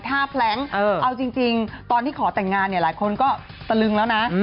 แพล้งเอาจริงตอนที่ขอแต่งงานเนี่ยหลายคนก็ตะลึงแล้วนะ